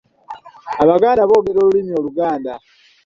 Abaganda boogera olulimi Oluganda.